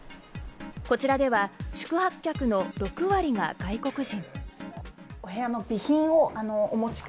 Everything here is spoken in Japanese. こちらでは宿泊客の６割が外国人。